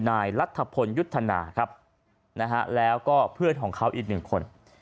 นายรัฐพลยุทธนาแล้วก็เพื่อนของเขาอีก๑คน